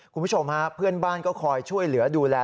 คุณผู้ชมฮะเพื่อนบ้านก็คอยช่วยเหลือดูแล